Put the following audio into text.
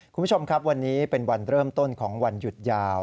คุณผู้ชมครับวันนี้เป็นวันเริ่มต้นของวันหยุดยาว